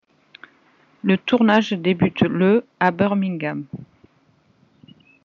Le tournage débute le à Birmingham.